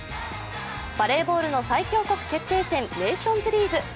バレーボールの最強国決定戦ネーションズリーグ。